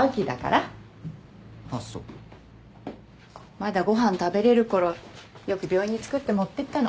まだご飯食べれるころよく病院に作って持ってったの。